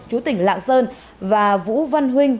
chú tỉnh lạng sơn và vũ văn huynh